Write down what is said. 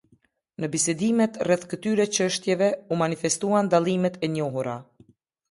Në bisedimet rreth këtyre çështjeve u manifestuan dallimet e njohura.